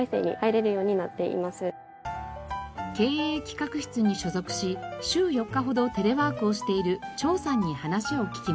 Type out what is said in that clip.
経営企画室に所属し週４日ほどテレワークをしている張さんに話を聞きました。